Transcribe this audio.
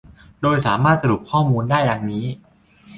โดยสามารถสรุปข้อมูลได้ ดังนี้